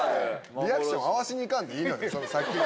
リアクション合わしに行かんでいいのよ！